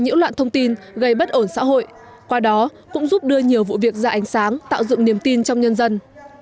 nhiễu loạn thông tin gây bất ổn xã hội qua đó cũng giúp đưa nhiều vụ việc ra ánh sáng tạo dựng niềm tin trong nhân dân